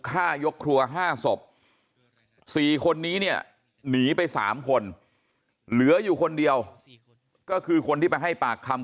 ฆ่ายกครัว๕ศพ๔คนนี้เนี่ยหนีไป๓คนเหลืออยู่คนเดียวก็คือคนที่ไปให้ปากคำ